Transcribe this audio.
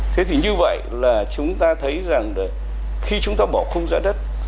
thế thì như vậy là chúng ta thấy rằng là khi chúng ta bỏ khung giá đất